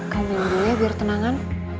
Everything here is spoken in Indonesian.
kamu minum dulu ya biar tenangan